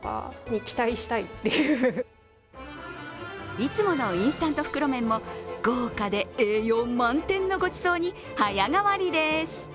いつものインスタント袋麺も豪華で栄養満点のごちそうに早変わりです。